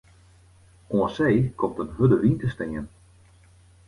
Oan see komt in hurde wyn te stean.